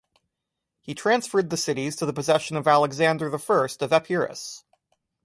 He transferred the cities to the possession of Alexander the First of Epirus.